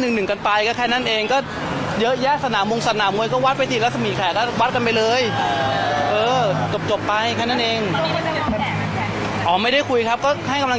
เออเออจบจบไปแค่นั้นเองอ๋อไม่ได้คุยครับก็ให้กำลังจะ